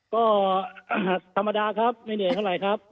ก็ธรรมดาครับไม่เหนื่อยเท่าไหร่ครับ